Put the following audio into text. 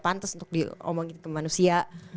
pantas untuk diomongin ke manusia